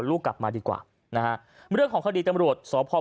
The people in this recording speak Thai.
ลูกกลับมาดีกว่านะฮะเรื่องของคดีตำรวจสพ